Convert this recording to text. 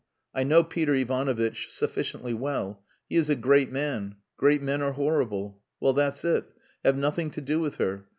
I know Peter Ivanovitch sufficiently well. He is a great man. Great men are horrible. Well, that's it. Have nothing to do with her.